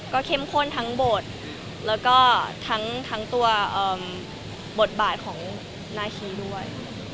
เข้มข้นทั้งบทแล้วก็ทั้งตัวบทบาทของนาคีด้วย